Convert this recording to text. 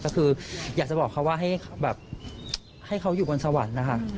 ก็คืออยากจะบอกเขาว่าให้แบบให้เขาอยู่บนสวรรค์นะคะ